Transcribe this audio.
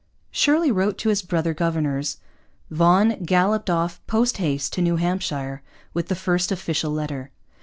Shirley wrote to his brother governors. Vaughan galloped off post haste to New Hampshire with the first official letter.